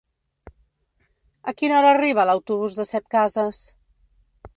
A quina hora arriba l'autobús de Setcases?